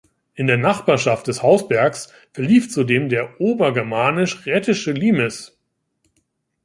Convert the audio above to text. In der Nachbarschaft des Hausbergs verlief zudem der Obergermanisch-Raetische Limes.